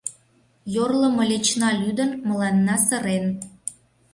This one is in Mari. Йорло мылечна лӱдын, мыланна сырен.